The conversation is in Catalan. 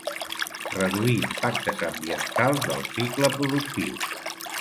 Reduir impactes ambientals del cicle productiu.